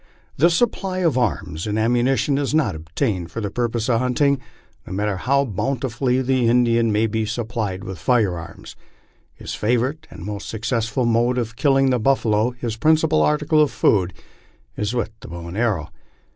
This supply of arms and am munition is not obtained for purposes of hunting, for no matter how bountifully the Indian may be supplied with firearms, his favorite and most successful mode of killing the buffalo, his principal article of food, is with the bow and arrow.